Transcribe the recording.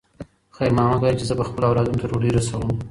خیر محمد وایي چې زه به خپلو اولادونو ته ډوډۍ رسوم.